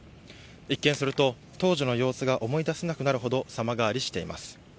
一見すると、当時の様子が思い出せなくなるほど様変わりしています。